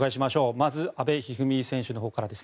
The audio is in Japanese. まず阿部一二三選手のほうからです。